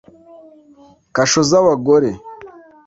kasho z’abagore